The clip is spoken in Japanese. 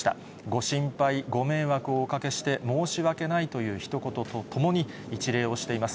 ご心配、ご迷惑をおかけして申し訳ないというひと言とともに、一礼をしています。